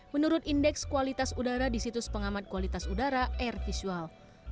menurut indeks kualitas udara di situs pengamat kualitas udara air visual